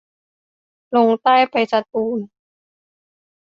ลงใต้ไปตูลูส